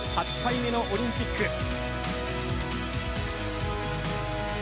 ８回目のオリンピック。